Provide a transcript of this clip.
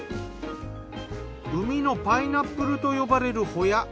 海のパイナップルと呼ばれるホヤ。